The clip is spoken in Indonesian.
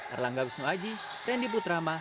erlangga wisnu aji randy putrama